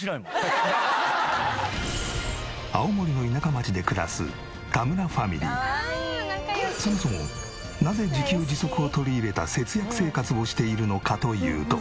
青森のそもそもなぜ自給自足を取り入れた節約生活をしているのかというと。